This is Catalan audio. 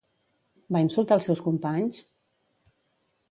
Va insultar als seus companys?